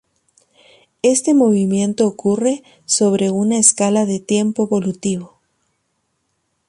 Este movimiento ocurre sobre una escala de tiempo evolutivo.